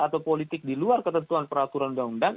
atau politik di luar ketentuan peraturan undang undang